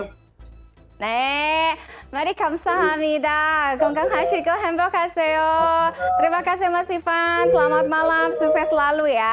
nah mari kamsahamida gonggang hashiko hembokaseyo terima kasih mas ivan selamat malam sukses selalu ya